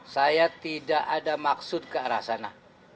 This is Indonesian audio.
saya tidak ada maksud ke arah sana